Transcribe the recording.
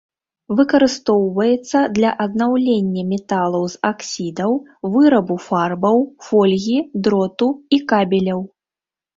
Выкарыстоўваецца для аднаўлення металаў з аксідаў, вырабу фарбаў, фольгі, дроту і кабеляў.